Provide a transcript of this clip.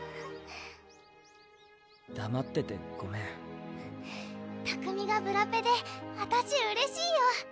だまっててごめん拓海がブラペであたしうれしいよ！